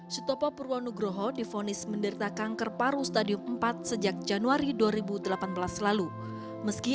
setopo purwono groho dihonis menderita kanker paru paru stadium empat sejak januari dua ribu delapan belas lalu meski